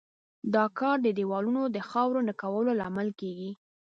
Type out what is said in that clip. دا کار د دېوالونو د خاوره نه کولو لامل کیږي.